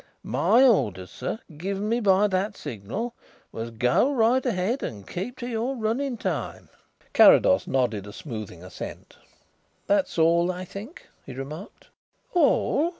My orders, sir, given me by that signal, was 'Go right ahead and keep to your running time!'" Carrados nodded a soothing assent. "That is all, I think," he remarked. "All!"